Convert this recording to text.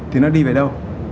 thì nó đi về đâu